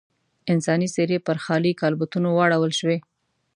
انساني څېرې پر خالي کالبوتونو واړول شوې.